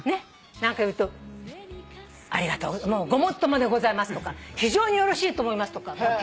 何か言うと「ごもっともでございます」とか「非常によろしいと思います」とか丁寧なのよ。